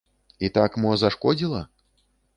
І так мо зашкодзіла?